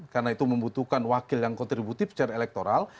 karena itu membutuhkan wakil yang kontributif secara elektoral